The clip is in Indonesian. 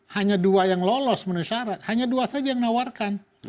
hanya dua yang lolos menu syarat hanya dua saja yang menawarkan